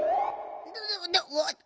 うわっ。